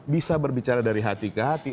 bisa berbicara dari hati ke hati